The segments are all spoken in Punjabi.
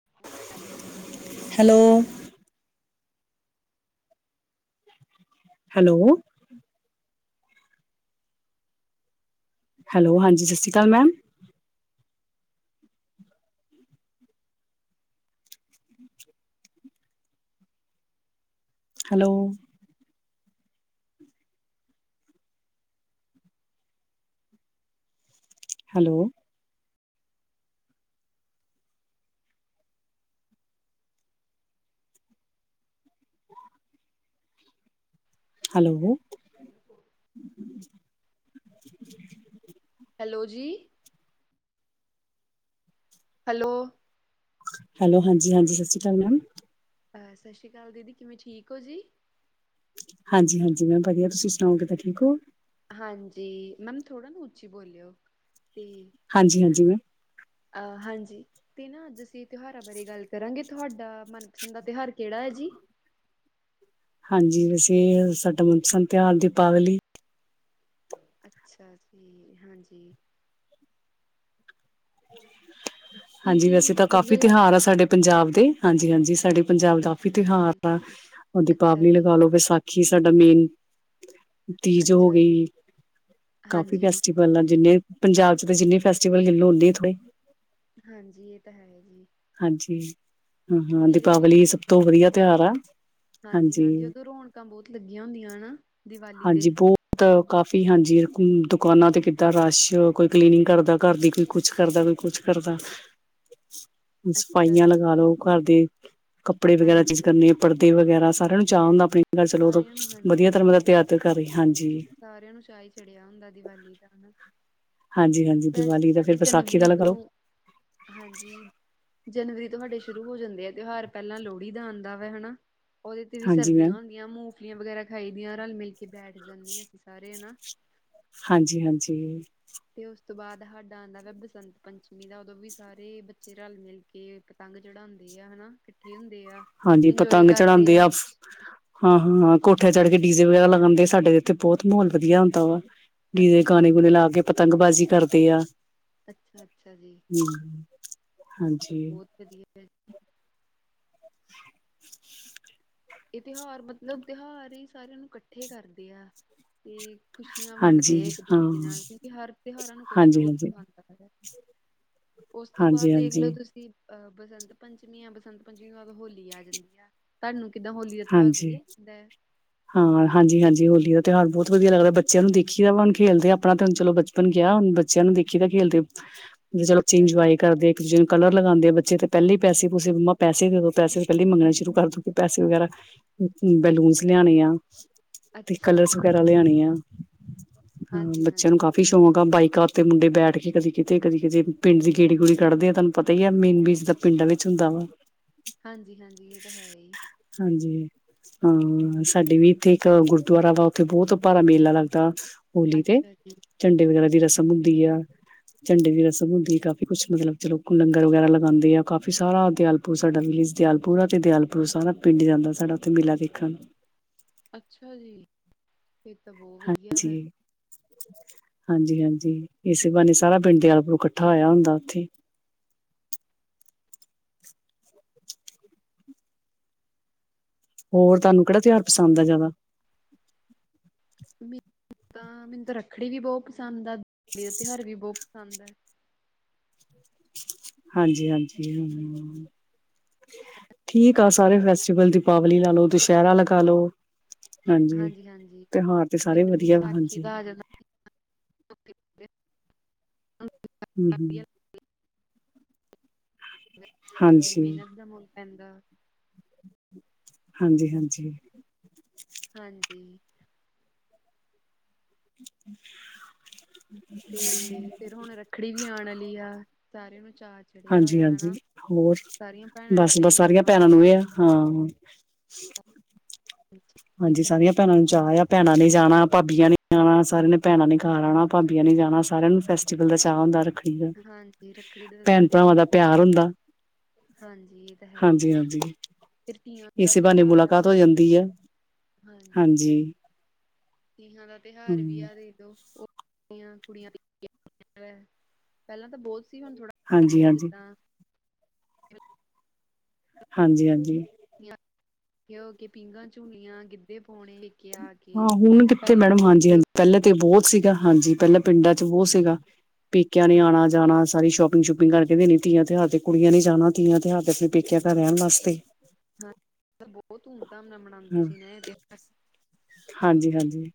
[unintelligible] ਹੈਲੋ ਹੈਲੋ ਹੈਲੋ ਹਾਂਜੀ ਸਤਿ ਸ਼੍ਰੀ ਅਕਾਲ ਮੈਮ ਅੱਛਾ ਹੈਲੋ ਹੈਲੋ ਹੈਲੋ ਕਿਵੇਂ ਤੂੰ ਹੈਲੋ ਜੀ ਹੈਲੋ ਹੈਲੋ ਹਾਂਜੀ ਹਾਂਜੀ ਸਤਿ ਸ਼੍ਰੀ ਅਕਾਲ ਮੈਮ ਸਤਿ ਸ਼੍ਰੀ ਅਕਾਲ ਦੀਦੀ ਕਿਵੇਂ ਠੀਕ ਹੋ ਜੀ ਹਾਂਜੀ ਹਾਂਜੀ ਮੈਮ ਵਧੀਆ ਤੁਸੀਂ ਸੁਣਾਓਗੇ ਤਾਂ ਠੀਕ ਹੋ ਹਾਂਜੀ ਮੈਮ ਥੋੜ੍ਹਾ ਨਾ ਉੱਚੀ ਬੋਲਿਓ ਅਤੇ ਹਾਂਜੀ ਹਾਂਜੀ ਅ ਹਾਂਜੀ ਤੇ ਨਾ ਅੱਜ ਅਸੀਂ, ਤਿਉਹਾਰਾਂ ਬਾਰੇ ਗੱਲ ਕਰਾਂਗੇ। ਤੁਹਾਡਾ ਮਨਪਸੰਦ ਦਾ ਤਿਉਹਾਰ ਕਿਹੜਾ ਹੈ ਜੀ? ਹਾਂਜੀ, ਵੈਸੇ ਸਾਡਾ ਮਨ ਪਸੰਦ ਤਿਉਹਾਰ ਦੀਪਾਵਲੀ। ਅੱਛਾ ਜੀ, ਹਾਂਜੀ। ਕੀ ਹਾਂਜੀ ਕੀ, ਵੈਸੇ ਤਾਂ ਕਾਫ਼ੀ ਵਧੀਆ ਲੱਗਦਾ? ਤਿਉਹਾਰ ਆ ਸਾਡੇ ਪੰਜਾਬ ਦੇ, ਹਾਂਜੀ ਹਾਂਜੀ, ਸਾਡੇ ਪੰਜਾਬ ਕਾਫ਼ੀ ਤਿਉਹਾਰ ਜੀ? ਆ। ਉਹਦੀ ਅੱਛਾ ਪਾਵਨੀ ਜੀ, ਲਗਾਾਲੋ ਵਿਸਾਖੀ ਵਿਸਾਖੀ, ਸਾਡਾ ਮੇਨ ਤੀਜ ਹੋ ਅੱਛਾ ਜੀ। ਗਈ, ਕਾਫੀ ਹਾਂਜੀ। ਫੈਸਟੀ ਗੱਲਾਂ, ਜਿੰਨੇ ਪੰਜਾਬ 'ਚ ਜਿੰਨ ਫੈਸਟੀਵਲ ਗਿਣ ਲੋ, ਉਨੇ ਹੀ ਥੋੜੇ। ਹਾਂਜੀ, ਇਹ ਤਾਂ ਹੈ ਜੀ। ਹਾਂਜੀ, ਹਾਂ ਹਾਂ, ਮੇਰੇ ਦੀਪਾਵਲੀ ਸਭ ਤੋਂ ਵਧੀਆ ਤਿਉਹਾਰ ਆ। ਹਾਂਜੀ ਹਾਂਜੀ, ਉਦੋਂ ਰੌਣਕਾਂ ਬਹੁਤ ਲੱਗੀਆਂ ਹੁੰਦੀਆਂ ਹਨਾ, ਦੀਵਾਲੀ ਤੇ। ਤਾਂ ਕਾਫ਼ੀ ਹਾਂਜੀ ਦੁਕਾਨਾਂ ਤੇ ਕਿੱਦਾਂ ਰਸ਼, ਕੋਈ ਕਲੀਨਿੰਗ ਕਰਦਾ ਘਰ ਦੀ, ਕੋਈ ਕੁਛ ਕਰਦਾ, ਕੋਈ ਕੁਛ ਕਰਦਾ। ਅੱਛਾ ਸਫਾਈਆਂ ਜੀ, ਲਗਾ ਲੋ ਘਰ ਦੇ, ਕੱਪੜੇ ਵਗੈਰਾ ਚੀਜ਼ ਹਾਂਜੀ। ਕਰਨੀ ਪੜਦੇ ਵਗੈਰਾ, ਸਾਰਿਆਂ ਨੂੰ ਚਾਅ ਹੁੰਦਾ ਆਪਣੀ ਘਰ ਚਲੋ, ਸਾਰਿਆਂ ਨੂੰ ਹਾਂਜੀ। ਵਧੀਆ ਧਰਮ ਦਾ ਤਿਹਰ ਕਰ, ਹਾਂਜੀ। ਸਾਰਿਆਂ ਨੂੰ ਚਾਹ ਹੀ ਚੜਿਆ ਹੁੰਦਾ, ਦੀਵਾਲੀ ਦਾ ਹਨਾ। ਹਾਂਜੀ ਹਾਂਜੀ ਵੈਸੇ ਦੀਵਾਲੀ ਦਾ ਸਾਡੇ ਫਿਰ ਵਿਸਾਖੀ ਦਾ ਜਨਵਰੀ ਲਗਾ ਤੋਂ ਲੋ ਹਾਂਜੀ, ਜਨਵਰੀ ਤੋਂਹਾਡੇ ਸ਼ੁਰੂ ਹੋ ਜਾਂਦੇ ਆ ਤਿਉਹਾਰ, ਪਹਿਲਾਂ ਲੋਹੜੀ ਦਾ ਆਉਂਦਾ ਵਾ ਹਨਾ ਉਹਦੇ ਤੇ ਵੀ ਹਾਂਜੀ ਸਰਦੀਆਂ ਮੈਮ ਹੁੰਦੀਆਂ, ਮੂੰਗਫਲੀਆਂ ਵਗੈਰਾ ਖਾਈ ਦੀਆਂ, ਰਲ ਮਿਲ ਕੇ ਬੈਠ ਜਾਂਦੇ 'ਹ ਅਸੀਂ ਸਾਰੇ, ਹਨਾ। ਹਾਂਜੀ, ਹਾਂਜੀ। ਤੇ ਉਸ ਤੋਂ ਬਾਅਦ ਸਾਡਾ ਆਉਂਦਾ ਵ ਬਸੰਤ ਪੰਚਮੀ ਦਾ, ਉਦੋਂ ਵੀ ਸਾਰੇ ਬੱਚੇ ਰਲ ਮਿਲ ਕੇ ਕੇ ਪਤੰਗ ਚੜਾਉਂਦੇ ਆ ਹਨਾ, ਇਕੱਠੇ ਹੁੰਦੇ ਆ। ਹਾਂਜੀ, ਇੰਜੋਏ ਪਤੰਗ ਕਰਦੇ ਚੜਾਉਂਦੇ ਆ ਹਾਂ ਹਾਂ, ਕੋਠਿਆ ਚੜ੍ਹ ਕੇ ਡੀਜ਼ੇ ਵਗੈਰਾ ਲਗਾਗਣ ਦੇ, ਸਾਡੇ ਉੱਥੇ ਬਹੁਤ ਮਾਹੌਲ ਵਧੀਆ ਹੁੰਦਾ ਵਾ। ਗੀ ਅੱਛਾ ਗਾਣੇ ਗੁਣੇ ਜੀ ਲਾ ਕੇ, ਪਤੰਗਬਾਜ਼ੀ ਕਰਦੇ ਆ। ਅੱਛਾ ਅੱਛਾ ਜੀ ਹ, ਹਾਂਜੀ। ਬਹੁਤ ਵਧੀਆ। ਇਹ ਤਿਉਹਾਰ ਮਤਲਬ, ਤਿਉਹਾਰ ਹੀ ਸਾਰਿਆਂ ਨੂੰ ਇਕੱਠੇ ਕਰਦੇ ਆ ਤੇ ਖੁਸ਼ੀਆਂ ਵੰਡਦੇ ਹਾਂਜੀ ਇੱਕ ਹਾਂ ਦੂਜੇ ਨਾਲ, ਕਿਉਂਕਿ ਹਰ ਤਿਉਹਾਰਾਂ ਨੂੰ ਕੁਛ ਨਾ ਹਾਂਜੀ ਕੁਛ ਹਾਂਜੀ ਸਖਾਉਂਦਾ ਏ। ਉਸ ਤੋਂ ਹਾਂਜੀ ਬਾਅਦ ਦੇਖ ਲਓ, ਹਾਂਜੀ ਤੁਸੀਂ ਅਹ ਬਸੰਤ ਪੰਚਮੀ ਆ, ਬਸੰਤ ਪੰਚਮੀ ਤੋਂ ਬਾਅਦ ਹੋਲੀ ਆ ਜਾਂਦੀ ਆ। ਤੁਹਾਨੂੰ ਕਿੱਨਾ, ਹੋਲੀ ਦਾ ਤਿਉਹਾਰ ਹਾਂਜੀ ਵਧੀਆ ਲੱਗਦਾ ਹੈ? ਹਾਂ ਹਾਂਜੀ ਹਾਂਜੀ, ਹੋਲੀ ਦਾ ਤਿਉਹਾਰ ਬਹੁਤ ਵਧੀਆ ਲੱਗਦਾ। ਬੱਚਿਆਂ ਨੂੰ ਦੇਖੀ ਦਾ ਵਾੁਣ ਖੇਦੇ ਆ, ਆਪਣਾ ਤੇ ਹੁਣ ਚਲੋ ਗਿਆ, ਹੁਣ ਬੱਚਿਆਂ ਨੂੰ ਦੇਖੀ ਤਾਂ ਖੇਡਦੇ ਚਲੋ, ਚੀਂਜ ਅੱਛਾ ਜੀ ਇਨਜਵਯੈ ਕਰਦੇ ਇਕ ਦੂਜੇ ਨੂੰ ਕਲਰ ਲਗਾਉਂਦੇ ਆ, ਬੱਚੇ ਤਾਂ ਪਹਿਲੇ ਪੈਸੇ ਤੁਸੀੇ ਮੰਮਾ ਪੈਸੇ ਦੇ ਦੋ, ਪੈਸੇ ਪਹਿਲੇ ਮੰਗਣੇ ਸ਼ੁਰੂ ਕਰ ਦੂ ਪੈਸੇ ਵਗੈਰਾ ਬੈਲੂਨ ਅੱਛਾ ਲਿਆਣੇ ਜੀ ਆ, ਤੇ ਅੱਛਾ ਕਲਰਸ ਜੀ ਵਗੈਰਾ ਲਿਆਣੇ ਆ, ਹਾਂ ਹਾਂਜੀ ਬੱਚਿਆਂ ਹਾਂਜੀ ਨੂੰ ਕਾਫੀ ਵੀ ਸ਼ੌਂਕ ਆ ਬਾਈਕਾਂ ਉੱਤੇ ਮੁੰਡੇ ਬੈਠ ਕੇ ਕਦੀ ਕਿਤੇ, ਕਦੀ ਕਿਤੇ, ਪਿੰਡ ਦੀ ਗੇੜੀ -ਗੂੜੀ ਕੱਢਦੇ ਆ, ਤੁਹਾਨੂੰ ਪਤਾ ਹੀ ਹੈ ਮੇਨ ਬੀਚ ਦਾ ਪਿੰਡਾਂ ਵਿੱਚ ਹੁੰਦਾ ਵਾ। ਹਾਂਜੀ ਹਾਂਜੀ, ਇਹ ਤਾਂ ਹੈ ਹੀ। ਹਾਂਜੀ, ਹਾਂ। ਸਾਡੇ ਵੀ ਇੱਥੇ ਇੱਕ ਗੁਰਦੁਆਰਾ ਵਾ, ਉੱਥੇ ਬਹੁਤ ਭਾਰ ਮੇਲਾ ਲੱਗਦਾ ਹੋਲੀ ਤੇ ਅੱਛਾ ਜੀ ਝੰਡੇ ਵਗੈਰਾ ਦੀ ਰਸਮ ਹੁੰਦੀ ਆ। ਝੰਡੇ ਦੀ ਰਸਮ ਹੁੰਦੀ ਕਾਫੀ ਕੁੱਛ ਮਤਲਬ ਚਲੋ ਲੰਗਰ ਵਗੈਰਾ ਲਗਾਉਂਦੇ ਆ ਕਾਫੀ ਸਾਰਾ ਦਿਆਲ ਪੂਰਾ ਸਾਡਾ ਵਿਲੇਜ ਦਿਆਲਪੁਰ ਤੇ ਦਿਆਲਪੁਰ ਸਾਰਾ ਪਿੰਡ ਜਾਂਦਾ ਸਾਡਾ ਉੱਥੇ ਮੇਲਾ ਵੇਖਣ ਅੱਛਾ ਜੀ ਫਿਰ ਤਾਂ ਬਹੁਤ ਵਧੀਆ ਹਾਂਜੀ। ਵੈ ਹਾਂਜੀ ਹਾਂਜੀ ਇਸੀ ਬਹਾਨੇ ਸਾਰਾ ਪਿੰਡ ਦਿਆਲਪੁਰੂ ਇਕੱਠਾ ਹੋਇਆ ਹੁੰਦਾ ਉੱਥੇ। ਹੋਰ ਤੁਹਾਨੂੰ ਕਿਹੜਾ ਤਿਉਹਾਰ ਪਸੰਦ ਆ ਜ਼ਿਆਦਾ। ਵਿੱਚ ਤਾਂ ਮੈਨੂੰ ਤਾਂ ਰੱਖੜੀ ਵੀ ਬਹੁਤ ਪਸੰਦ ਆ ਦੀਵਾਲੀ ਦਾ ਤਿਉਹਾਰ ਵੀ ਬਹੁਤ ਪਸੰਦ ਹੈ। ਹਾਂਜੀ ਹਾਂਜੀ ਹੂੰਮ ਹੂੰਮ। ਠੀਕ ਆ ਸਾਰੇ ਫੈਸਟੀਵਲ ਦੀਪਾਵਲੀ ਲਾ ਲੋ ਦੁਸਹਿਰਾ ਲਗਾ ਲੋ। ਹਾਂਜੀ ਹਾਂਜੀ ਤਿਉਹਾਰ ਤੇ ਸਾਰੇ ਫੇਰ ਵਧੀਆ ਵਿਸਾਖੀ ਹਾਂਜੀ ਦਾ ਆ ਜਾਂਦਾ [unintelligible] ਹਮ ਹਮ। [unintelligible] ਮਿਹਨਤ ਦਾ ਮੁੱਲ ਪੈਂਦਾ। ਹਾਂਜੀ ਹਾਂਜੀ। ਹਾਂਜੀ। ਤੇ ਫੇਰ ਹੁਣ ਰੱਖੜੀ ਵੀ ਆਉਣ ਵਾਲੀ ਆ ਸਾਰਿਆਂ ਨੂੰ ਚਾਅ। ਚੜਿਆ ਹਾਂਜੀ ਹੋਇਆ ਹਾਂਜੀ ਹਨਾ ਹੋਰ ਸਾਰੀਆਂ ਭੈਣਾਂ ਨੇ ਬਸ ਆਪਣੇ ਬਸ ਸਾਰੀਆਂ ਜਾਣਾ ਭੈਣਾਂ ਹੁੰਦਾ ਨੂੰ ਇਹ ਆ ਹਾਂ। ਹ। [unintelligible] ਇਹ ਹਾਂਜੀ ਤਾਂ ਹੈ ਸਾਰੀਆਂ ਭੈਣਾਂ ਨੂੰ ਚਾਅ ਆ ਭੈਣਾਂ ਨੇ ਜਾਣਾ ਭਾਬੀਆਂ ਨੇ ਆਉਣਾ ਸਾਰਿਆ ਨੇ। ਭੈਣਾਂ ਨੇ ਘਰ ਆਉਣਾ ਭਾਬੀਆਂ ਨੇ ਜਾਣਾ ਸਾਰਿਆਂ ਨੂੰ ਫੈਸਟੀਵਲ ਦਾ ਚਾਅ ਹੁੰਦਾ ਰਖ। ਹਾਂਜੀ ਰੱਖੜੀ ਦਾ ਤਾਂ ਸਾਰਿਆਂ ਨੂੰ ਹੀ ਪਿਆਰ ਬਹੁਤ ਹੁੰਦਾ ਹਾਂਜੀ ਇਹ ਤਾਂ ਹੈ ਹੀ। ਹਾਂਜੀ ਹਾਂਜੀ ਫੇਰ ਤੀਆਂ ਦਾ ਇਸੇ ਬਹਾਨੇ ਤਿਉਹਾਰ ਮੁਲਾਕਾਤ ਹੋ ਆ ਜਾਂਦੀ ਆ ਹਾਂਜੀ। ਤੀਹਾਂ ਦਾ ਤਿਉਹਾਰ ਵੀ ਹੂੰ ਐ। ਦੇਦੋ ਓ ਕੁੜੀਆਂ ਕੁੜੀਆ [unintelligible] ਪਹਿਲਾਂ ਤਾਂ ਬਹੁਤ ਸੀ ਹੁਣ ਥੋੜਾ। ਹਾਂਜੀ ਹੈਗਾ ਹਾਂਜੀ ਜਿੱਦਾਂ। ਹਾਂਜੀ ਹਾਂਜੀ। ਜਾਂ ਕਹੋ ਕੇ ਪੀਂਘਾਂ ਝੂਲੀਆਂ ਗਿੱਧੇ ਪਾਉਣੇ। ਕੇ ਆ ਕੇ ਹਾਂ ਹੁਣ ਕਿੱਥੇ ਪਹਿਲਾਂ ਮੈਡਮ ਹਾਂਜੀ ਹਾਂਜੀ ਪਹਿਲਾਂ ਤੇ ਬਹੁਤ ਸੀਗਾ ਹਾਂਜੀ ਪਹਿਲਾਂ ਪਿੰਡਾਂ 'ਚ ਬਹੁਤ ਸੀਗਾ। ਪੇਕਿਆਂ ਨੇ ਆਉਣਾ ਜਾਣਾ ਸਾਰੀ ਸ਼ੋਪਿੰਗ ਸ਼ੂਪਿੰਗ ਕਰਕੇ ਦੇਣੀ ਧੀਆਂ ਤਿਉਹਾਰ ਤੇ ਕੁੜੀਆਂ ਨੀ ਜਾਣਾ ਤੀਆਂ ਤਿਉਹਾਰ ਤੇ। ਪੇਕਿਆ ਘਰ ਰਹਿਣ ਵਾਸਤੇ। ਹਾਂ ਬਹੁਤ ਧੂਮ ਧਾਮ ਨਾਲ ਮਨਾਉਂਦੇ ਹਾਂ ਸੀ ਐ ਤੇ। ਹਾਂਜੀ ਹਾਂਜੀ।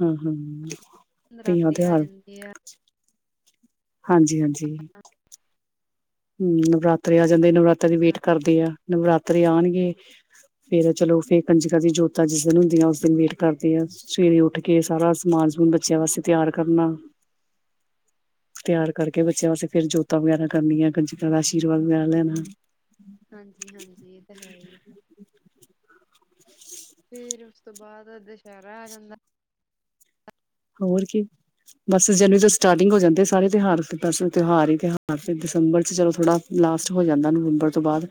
ਹਾਂ ਹਾਂ ਹਮ। ਨਰਾਤੇ ਆ ਜਾਂਦੇ ਆ। ਹਾਂਜੀ ਹਾਂਜੀ। ਹਮ ਨਵਰਾਤਰੇ ਆ ਜਾਂਦੇ ਨਵਰਾਤੇ ਵੇਟ ਕਰਦੇ ਆ ਨਵਰਾਤਰੇ ਆਉਣਗੇ। ਫੇਰ ਚਲੋ ਫਿਰ ਕੰਜਕਾ ਦੀਆਂ ਜੋਤਾ ਜਿਸ ਦਿਨ ਹੁੰਦੀਆ ਉਸ ਦਿਨ ਵੇਟ ਕਰਦੇ ਆ ਸਵੇਰੇ ਉੱਠ। ਕੇ ਸਾਰਾ ਸਮਾਨ ਸਮੂਨ ਬੱਚਿਆਂ ਵਾਸਤੇ ਤਿਆਰ ਕਰਨਾ। [inaudible] ਤਿਆਰ ਕਰਕੇ ਬੱਚਿਆਂ ਵਾਸਤੇ ਫੇਰ ਜੋਤਾਂ ਵਗੈਰਾ ਕਰਨੀਆਂ ਗੰਜਕਾਂ ਦਾ ਆਸ਼ੀਰਵਾਦ ਵਗੈਰਾ ਲੈਣਾ। ਹਾਂਜੀ ਹਾਂਜੀ ਏ ਤਾਂ ਹੈ ਹੀ। ਫਿਰ ਉਸ ਤੋਂ ਬਾਅਦ ਦੁਸਹਿਰਾ ਆ ਜਾਂਦਾ। ਹੋਰ ਕੀ। ਬਸ ਜਨਵਰੀ ਤੋਂ ਸਟਾਰਟਿੰਗ ਹੋ ਜਾਂਦੇ ਆ ਸਾਰੇ ਤਿਉਹਾਰ ਪਰਸੋਂ ਤਿਉਹਾਰ ਹੀ ਤਿਉਹਾਰ ਤੇ ਦਸੰਬਰ ਚਲੋ ਥੋੜਾ। ਲਾਸਟ ਹੋ ਜਾਂਦਾ ਨਵੰਬਰ ਤੋਂ ਬਾਅਦ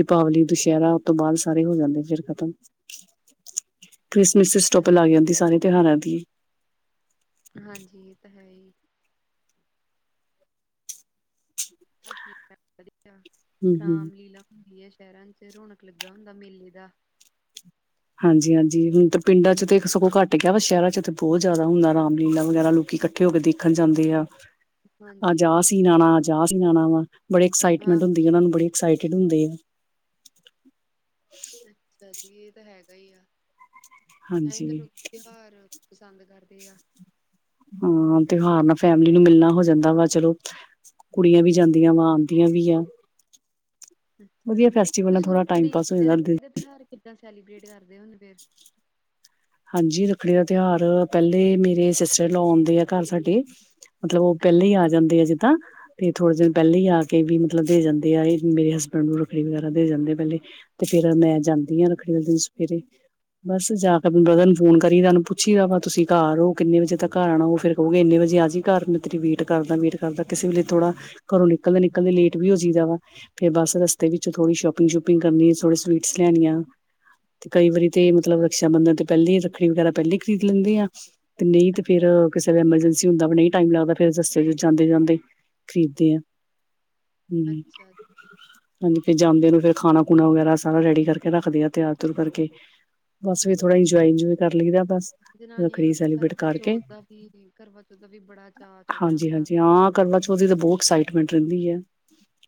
ਦੀਪਾਵਲੀ ਦੁਸਹਿਰਾ ਤੋਂ ਬਾਅਦ ਸਾਰੇ ਹੋ ਜਾਂਦੇ ਫੇਰ ਖ਼ਤਮ। ਕ੍ਰਿਸਮਿਸ ਚ ਅੱਛਾ ਸਟੋਪ ਲੱਗ ਜੀ ਜਾਂਦੀ ਸਾਰੇ ਤਿਉਹਾਰਾਂ ਦੀ। ਹਾਂਜੀ ਇਹ ਤਾਂ ਹੈ ਹੀ। [unintelligible] ਹੂੰ ਹੂੰ ਕਾਮ ਲੀਲਾ। ਹੁੰਦੀ ਹੈ ਸ਼ਹਿਰਾਂ ਚ ਰੌਣਕ ਲੱਗਾ ਹੁੰਦਾ ਮੇਲੇ ਦਾ। ਹਾਂਜੀ ਹਾਂਜੀ ਹੁਣ ਤਾਂ ਪਿੰਡਾਂ ਚ ਤੇ ਸਗੋਂ ਘੱਟ ਗਿਆ ਵਾ ਸ਼ਹਿਰਾਂ ਚ ਤੇ ਬਹੁਤ ਜ਼ਿਆਦਾ ਹੁੰਦਾ ਰਾਮ ਲੀਲਾ ਵਗੈਰਾ ਲੋਕ ਕੱ। ਇਕੱਠੇ ਹੋ ਕੇ ਦੇਖਣ ਜਾਂਦੇ ਆ। ਅੱਜ ਆ ਹਾਂਜੀ-ਹਾਂਜੀ ਸੀ ਬਹੁਤ ਆਣਾ ਜ਼ਿਆਦਾ ਅੱਜ ਸੀ ਆਣਾ ਵਾ ਬੜੇ ਐਕਸਾਈਟਮੈਂਟ ਆਹੋ ਹੁੰਦੀ ਆ ਉਹਨਾ ਨੂੰ ਬੜਕਸਟ ਹੁੰਦੇ ਆ। ਅੱਛਾ ਜੀ ਇਹ ਤਾਂ ਹੈਗਾ ਹੀ ਆ ਤਾਂਹੀ ਤਾਂ ਹਾਂਜੀ ਲੋਕੀ ਤਿਉਹਾਰ। ਪਸੰਦ ਕਰਦੇ ਆ। ਹਾਂ ਤਿਉਹਾਰ ਨਾਲ ਫੈਮਿਲੀ ਨੂੰ ਮਿਲਣਾ ਹੋ ਜਾਂਦਾ ਵਾ ਚਲੋ ਕੁੜੀਆਂ ਵੀ ਜਾਂਦੀਆਂ ਵਾ ਆਉਂਦੀਆਂ ਵੀ ਆ ਵਧੀਆ ਅੱਛਾ ਫੈਸਟੀਵਲ ਨਾਲ ਤੁਸੀਂ ਥੋੜਾ ਟਾਈਮ ਰੱਖੜੀ ਪਾਸ ਹੋ ਜਾਂਦਾ ਰੱਖੜੀ ਦਾ ਤਿਉਹਾਰ ਕਿੱਦਾਂ ਸੈਲੀਬ੍ਰੇਟ ਕਰਦੇ ਹੁੰਦੇ ਹਾਂਜੀ ਰੱਖੜੀ ਦਾ ਤਿਉਹਾਰ ਪਹਿਲੇ ਮੇਰੇ ਸਿਸਟਰ ਲ ਆਉਂਦੇ ਆ ਘਰ ਸਾਡੇ ਮਤਲਬ ਉਹ ਪਹਿਲੇ ਹੀ ਆ ਫੇਰ ਜਾਂਦੇ ਆ ਜਿੱਦਾਂ ਤੇ ਥੋੜੇ ਦਿਨ ਪਹਿਲੇ ਹੀ ਆ ਕੇ ਵੀ ਮਤਲਬ ਦੇ ਜਾਂਦੇ ਆ ਇਹ ਮੇਰੇ ਹਸਬੈਂਡ ਨੂੰ ਰੱਖੜੀ ਵਗੈਰਾ ਦੇ ਜਾਂਦੇ ਆ ਪਹਿਲੇ ਤੇ ਫਿਰ ਮੈਂ ਜਾਂਦੀ ਹਾਂ ਰੱਖੜੀ ਵਾਲੇ ਦਿਨ ਸਵੇਰੇ ਬਸ ਜਾ ਕੇ ਬਰਦਰ ਨੂੰ ਫੋਨ ਕਰੀ ਨ ਪੁੱਛੀ ਦਾ ਵਾ ਤੁਸੀਂ ਘਰ ਹੋ ਕਿੰਨੇ ਵਜੇ ਤੱਕ ਘਰ ਆਣਾ ਉਹ ਫਿਰ ਕਹੋਗੇ ਨੇ ਇਨੇ ਵਜੇ ਆ ਜਈ ਘਰ ਮੈਂ ਤੇਰੀ ਵੇਟ ਕਰਦਾ ਵੇਟ ਕਰਦਾ ਕਿਸੇ ਵੇਲੇ ਥੋੜਾ ਘਰੋਂ ਨਿਕਲਦੇ ਨਿਕਲਦੇ ਲੇਟ ਵੀ ਹੋ ਜਾਈਦਾ ਵਾ ਫਿਰ ਬਸ ਰਸਤੇ ਵਿੱਚ ਥੋੜੀ ਸ਼ੋਪਿੰਗ ਸ਼ੂਪਿੰਗ ਕਰਨੀ ਥੋੜੇ ਸਵੀਟਸ ਲਿਆਣੀਆਂ ਤੇ ਕਈ ਵਾਰੀ ਤੇ ਮਤਲਬ ਅੱਛਾ ਜੀ ਅੱਛਾ ਰਕਸ਼ਾ ਜੀ ਬੰਧਨ ਤੇ ਪਹਿਲ ਹੀ ਰੱਖੜੀ ਵਗੈਰਾ ਪਹਿਲੇ ਹੀ ਖਰੀਦ ਲੈਂਦੇ ਆ ਤੇ ਨਹੀਂ ਤੇ ਫਿਰ ਅੱਛਾ ਜੀ ਕਿਸੇ ਦਾ ਐਮਰਜੈਂਸੀ ਹੁੰਦਾ ਨਹੀਂ ਟਾਈਮ ਲੱਗਦਾ ਫਿਰ ਰਸਤੇ ਚ‌ ਜਾਂਦੇ ਜਾਂਦੇ ਖਰੀਦ ਦੇ ਆ ਹੂੰ,,, ਅੱਛਾ ਹਾਂਜੀ ਫਿਰ ਜਾਂਦੇ ਨੂੰ ਫਿਰ ਖਾਣਾ ਖੁਣਾ ਵਗੈਰਾ ਸਾਰਾ ਰੈਡੀ ਕਰਕੇ ਰੱਖਦੇ ਆ ਤਿਆਰ ਤੁਰ ਕਰਕੇ ਬਸ ਫਿਰ ਥੋੜਾ ਜੀ। ਇੰਜੋਏ ਇੰਜੋਏ ਕਰ ਲਈਦਾ ਬਸ ਜਨਾਨੀਆਂ ਰੱਖੜੀ ਨੂੰ ਤਾਂ ਸੈਲੀਬ੍ਰੇਟ ਕਰਵਾ ਕਰਕੇ ਚੌਥ ਦਾ ਵੀ ਕਰਵਾ ਦਾ ਵੀ ਬੜਾ ਚਾਅ ਚੜਿਆ ਹਾਂਜੀ ਹੁੰਦਾ ਹਾਂਜੀ ਵੇ ਹਾਂ ਕਰਵਾ ਚੌਥ ਦਾ ਬਹੁਤ ਐਕਸਾਈਟਮੈਂਟ ਰਹਿੰਦੀ ਹੈ।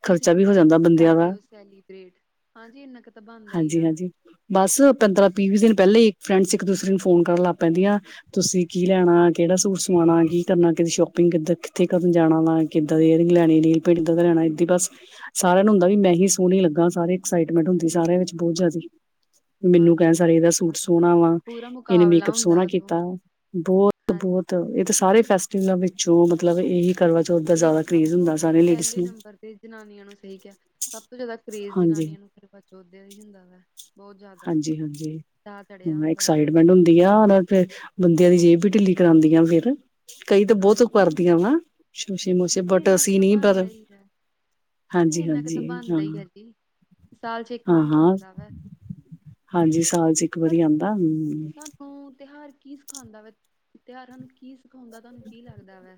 ਤੁਸੀਂ ਖਰਚਾ ਵੀ ਹੋ ਕਿੱਦਾਂ ਜਾਂਦਾ ਬੰਦਿਆਂ ਦਾ ਕਰਦੇ ਹੋ ਸੈਲੀਬਰੇਟ ਹਾਂਜੀ ਇੰਨਾ ਤਾ ਬਣਦਾ ਹੀ ਹੈ। ਹਾਂਜੀ-ਹਾਂਜੀ ਬਸ ਪੰਦਰਾਂ ਵੀਹ ਵੀ ਦਿਨ ਪਹਿਲੇ ਹੀ ਫਰੈਂਡਸ ਇੱਕ ਦੂਸਰੇ ਨੂੰ ਫੋਨ ਕਰਨ ਲੱ ਕਹਿੰਦੀਆਂ ਤੁਸੀਂ ਕੀ ਲੈਣਾ ਕਿਹੜਾ ਸੂਟ ਸਵਾਣਾ ਕੀ ਕਰਨਾ ਕਿਦੀ ਸ਼ੋ ‍‌ ਕ‌ਈ ਕਿੱਦਾਂ ਕਿੱਥੇ ਕਦੋ ਜਾਣਾ ਵਾ ਕਿਦਾਂ ਈਅਰਿੰਗ ਲੈਣੀ ਲੀਲ ਪੇਡ ਇਦਾਂ ਦਾ ਲੈਣਾ ਏ ਬਸ ਸਾਰਿਆਂ ਨੂੰ ਹੁੰਦਾ ਵੀ ਮੈਂ ਹੀ ਸੋਹਣੀ ਲੱਗਾ ਸਾਰੇ ਐਕਸਾਈਟਮੈਂਟ ਹੁੰਦੀ ਸਾਰਿਆਂ ਵਿੱਚ ਬਹੁਤ ਜਿਆਦੀ ਮੈਨੂੰ ਕਹਿਣ ਸਰੀ ਦਾ ਸੂਟ ਹਾਂਜੀ-ਹਾਂਜੀ। ਸੋਹਣਾ ਵਾ ਪੂਰਾ ਇਹਨੇ ਮੁਕਾਬਲਾ ਮੇਕਅਪ ਹੁੰਦਾ ਸੋਹਣਾ ਉਦੋਂ ਕੀਤਾ ਬਹੁਤ ਹਾਂਜੀ ਬਹੁਤ ਬਹੁਤ ਇਹ ਤਾਂ ਸਾਰੇ ਫੈਸਟੀਵਲਾਂ ਵਿੱਚੋਂ ਮਤਲਬ ਇਹੀ ਕਰਵਾ ਚੌਥ ਦਾ ਇਹ ਜ਼ਿਆਦਾ ਤਾਂ ਸਭ ਕਰੇਜ਼ ਹੁੰਦਾ ਤੋਂ ਸਾਰੇ ਲੇਡੀਜ਼ ਪਹਿਲੇ ਨੂੰ ਨੰਬਰ ਤੇ ਜਨਾਨੀਆਂ ਨੂੰ ਸਹੀ ਕਿਹਾ ਸਭ ਤੋਂ ਜ਼ਿਆਦਾ ਕਰੇਜ਼ ਜਨਾਨੀਆਂ ਨੂੰ ਕਰਵਾ ਚੌਥ ਦਾ ਹੀ ਹੁੰਦਾ ਵਾ ਬਹੁਤ ਜ਼ਿਆਦਾ ਹਾਂਜੀ ਹਾਂਜੀ ਚਾਅ ਚੜਿਆ ਹੁਣ ਹੁੰਦਾ ਹਨਾ ਐਕਸਾਈਟਮੈਂਟ ਹੁੰਦੀ ਆ ਉਹਦੇ ਤੇ ਬੰਦਿਆਂ ਦੀ ਜੇਬ ਵੀ ਢਿੱਲੀ ਕਰਾਉਂਦੀਆਂ ਫਿਰ ਕਈ ਤਾਂ ਬਹੁਤ ਹਾਂਜੀ ਇਨ- ਕਰਦੀਆਂ ਵਾ ਸ਼ੋਸ਼ੇ ਮੋਸ਼ੇ ਹਾਂਜੀ ਬਟ ਇੰਨਾ ਕੁ ਅਸੀਂ ਤਾਂ ਨੀ ਬਣਦਾ ਪਰ ਹੀ ਹੈ। ਨਹੀਂ ਹਾਂਜੀ ਇੰਨਾ ਕੁ ਹਾਂਜੀ ਤਾਂ ਹਾਂ ਬਣਦਾ ਹੀ ਹੈ ਜੀ। ਸਾਲ ਚ ਇੱਕ ਹਾਂ ਵਾਰੀ ਤਾਂ ਹਾਂ ਆਉਂਦਾ ਵਾ ਹਾਂਜੀ ਸਾਲ ਚ ਇੱਕ ਵਾਰੀ ਆਉਂਦਾ ਹ ਤਿਉਹਾਰ ਕੀ ਸਿਖਾਉਂਦਾ ਵਾ ਤਿਉਹਾਰਾਂ ਨੂੰ ਕੀ ਸਿਖਾਉਂਦਾ ਤੁਹਾਨੂੰ ਕੀ ਲੱਗਦਾ ਵਾ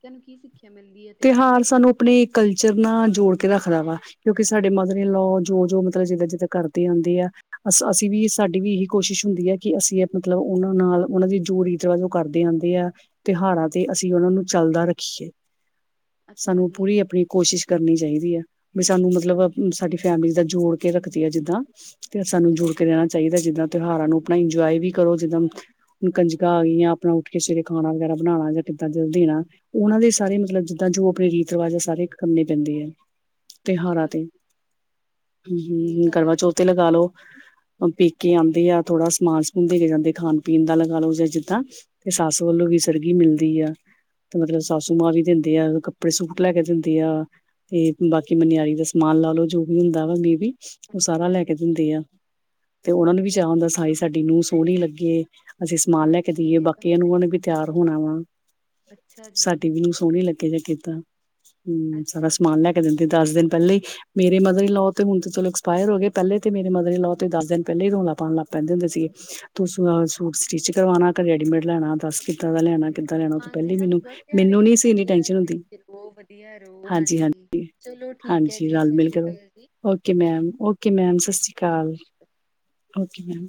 ਤਿੰਨੋ ਕੀ ਸਿੱਖਿਆ ਮਿਲਦੀ ਹੈ। ਤਿਉਹਾਰਾਂ ਤਿਉਹਾਰ ਤੋਂ ਸਾਨੂੰ ਆਪਣੇ ਕਲਚਰ ਨਾਲ ਜੋੜ ਕੇ ਰੱਖਦਾ ਵਾ ਕਿਉਂਕਿ ਸਾਡੇ ਮਦਰ ਇਨਲੋ ਜੋ ਜੋ ਮਤਲਬ ਜਿੱਦਾਂ ਜਿੱਦਾਂ ਕਰਦੇ ਆਂਦੇ ਆ ਅ ਅਸੀਂ ਵੀ ਸਾਡੀ ਵੀ ਇਹੀ ਕੋਸ਼ਿਸ਼ ਹੁੰਦੀ ਹੈ, ਕਿ ਅਸੀਂ ਮਤਲਬ ਉਹਨਾਂ ਨਾਲ ਉਹਨਾਂ ਦੀ ਜੋ ਰੀਤਵਾਜ਼ ਕਰਦੇ ਆਉਂਦੇ ਆ, ਤਿਉਹਾਰਾਂ ਤੇ ਅਸੀਂ ਉਹਨਾਂ ਨੂੰ ਚੱਲਦਾ ਰੱਖੀਏ। ਅੱਛਾ ਸਾਨੂੰ ਜੀ ਪੂਰੀ ਆਪਣੀ ਕੋਸ਼ਿਸ਼ ਕਰਨੀ ਚਾਹੀਦੀ ਹੈ, ਬ ਸਾਨੂੰ ਹਾਂ ਮਤਲਬ ਸਾਡੀ ਫੈਮਿਲੀ ਦਾ ਜੋੜ ਕੇ ਰੱਖਦੀ ਹੈ ਜਿੱਦਾਂ, ਤੇ ਸਾਨੂੰ ਅੱਛਾ ਜੋੜ ਕੇ ਜੀ ਰਹਿਣਾ ਚਾਹੀਦਾ ਜਿੱਦਾਂ ਤਿਉਹਾਰਾਂ ਨੂੰ ਆਪਣਾ ਇੰਜੋਏ ਵੀ ਕਰੋ, ਜਿੱਦਾਂ ਹੁਣ ਕੰਜਕਾਂ ਆ ਗਈ, ਆਪਣਾ ਉੱਠ ਕੇ ਸਵੇਰੇ ਖਾਣਾ ਵਗੈਰਾ ਬਣਾਉਣਾ, ਜਾਂ ਕਿੱਦਾਂ ਜ ਦੇਣਾ ਉਹਨਾਂ ਦੇ ਸਾਰੇ ਅੱਛਾ ਮਤਲਬ ਜੀ ਜਿੱਦਾਂ ਜੋ ਆਪਣੇ ਰੀਤ ਰਿਵਾਜ ਆ, ਸਾਰੇ ਕਰਨੇ ਪੈਂਦੇ ਆ। ਤਿਉਹਾਰਾਂ ਅੱਛਾ ਤੇ, ਜੀ ਹਮ ਇਹ ਹਮ, ਤਾਂ ਹੈ ਕਰਵਾਚੌਥ ਤੇ ਲਗਾ ਲੋ ਪੇ ਕੇ ਆਉਂਦੇ ਆ, ਥੋੜ੍ਹਾ ਸਮਾਨ ਸਮੂਨ ਦੇ ਕੇ ਜਾਂਦੇ ਖਾਣ ਪੀਣ ਦਾ ਲਗਾ ਲਓ, ਜਾਂ ਜਿੱਦਾਂ ਤੇ ਸੱਸ ਵੱਲੋਂ ਵੀ ਸੜਗੀ ਮਿਲਦੀ ਆ, ਤੇ ਮਤਲਬ ਸਸੂ ਮਾਂ ਵੀ ਦੇ ਆ ਕੱਪੜੇ, ਸੂਟ ਲੈ ਕੇ ਜਾਂਦੀ ਆ ਤੇ ਬਾਕੀ ਮਨਿਆਰੀ ਦਾ ਸਮਾਨ ਲਾ ਲੋ, ਜੋ ਵੀ ਹੁੰਦਾ ਵਾ ਮੇਬੀ ਉਹ ਹਾਂਜੀ ਸਾਰਾ ਲੈ ਹਾਂਜੀ ਕੇ ਦਿੰਦੇ ਆ, ਤੇ ਉਹਨਾ ਨੂੰ ਵੀ ਅੱਛਾ ਚਾਹ ਜੀ ਹੁੰਦਾ ਸਾਈ ਸਾਡੀ ਨੂੰਹ ਸੋਹਣੀ ਲੱਗੇ ਅਸੀਂ ਸਮਾਨ ਲੈ ਕੇ ਹਾਂਜੀ ਦੇਈਏ, ਇਹ ਤਾਂ ਬਾਕੀੀਆਂ ਹੁੰਦਾ ਨੂੰ ਉਹ ਨੇ ਵੀ ਤਿਆਰ ਹੋਣਾ ਵਾ, ਹੀ। ਅੱਛਾ ਜੀ ਸਾਡੀ ਨੂੰਹ ਸੋਹਣੀ ਲੱਗੇ ਜ ਕੀਤਾ, ਹਮ ਸਾਰਾ ਅੱਛਾ ਜੀ ਸਮਾਨ ਲੈ ਕੇ ਦਿੰਦੇ, ਦਸ ਦਿਨ ਪਹਿਲੇਾਂ ਹੀ ਮੇਰੇ ਮਦਰਰੀ ਲ ਲੋਅ ਤੇ ਹੁਣ ਚਲੋ ਐਕਸਪਾਇਰ ਹੋ ਗਏ, ਪਹਿਲੇ ਤੇ ਮੇਰੇ ਮਦਰ ਲੋਅ ਤੇ, ਦਸ ਦਿਨ ਪਹਿਲੇ ਹੀ ਰੌਲਾ ਪਾਉਣ ਲੱਗ ਪੈਂਦੇ ਹੁੰਦੇ ਸੀਗੇ ਤੂੰ ਸੂਟ ਸਟਿਚ ਕਰਵਾਉਣਾ, ਘ ਰੈਡੀਮੇਡ ਲੈਣਾ ਦੱਸ ਕਿੱਦਾ ਦਾ ਅੱਛਾ ਲੈਣਾ, ਜੀ ਕਿੱਦਾ ਲੈਣਾ, ਉਹ ਤੋਂ ਹਾਂਜੀ ਪਹਿਲੀ ਸਾਨੂੰ ਮੈਨੂੰ ਬਸ ਤਿਉਹਾਰ ਮੈਨੂੰ ਇਹੀ ਨ ਸੀੰਨੀ ਸਿਖਾਉਂਦੇ ਟੈਂ ਰਹੋ ਵਧੀਆ ਰਹੋ, ਹਾਂਜੀ, ਚਲੋ ਠੀਕ ਹੈ ਹਾਂਜੀ ਹਾਂਜੀ ਜੀ, ਰਲ ਸਤਿ ਮਿਲ ਸ਼੍ਰੀ ਕੇ ਰਹੋ। ਅਕਾਲ ਜੀ। ਓਕੇ ਮੈਮ, ਓਕੇ ਮੈਮ, ਸਤਿ ਸ਼੍ਰੀ ਅਕਾਲ, ਓਕੇ ਮੈਮ।